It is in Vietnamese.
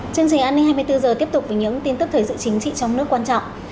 chương trình an ninh hai mươi bốn h tiếp tục với những tin tức thời sự chính trị trong nước quan trọng